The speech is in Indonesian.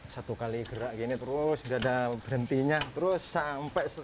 satu kali masakan itu ongkosnya itu tiga belas